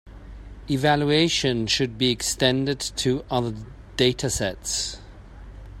Evaluation should be extended to other datasets.